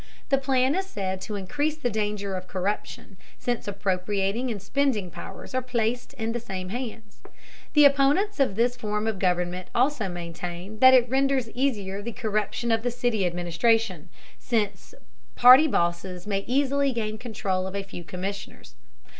The plan is said to increase the danger of corruption, since appropriating and spending powers are placed in the same hands. The opponents of this form of government also maintain that it renders easier the corruption of the city administration, since party bosses may easily gain control of a few commissioners.